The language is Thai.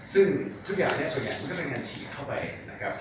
ซึ่งทุกอย่างเนี่ยส่วนใหญ่มันก็เป็นการฉีดเข้าไปนะครับ